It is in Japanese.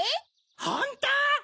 ホント？